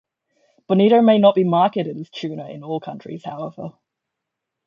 Bonito may not be marketed as tuna in all countries, however.